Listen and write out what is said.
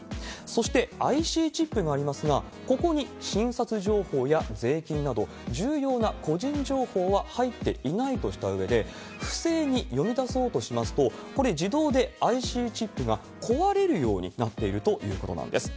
そして、ＩＣチップがありますが、ここに診察情報や税金など、重要な個人情報は入っていないとしたうえで、不正に読み出そうとしますと、これ、自動でＩＣチップが壊れるようになっているということなんです。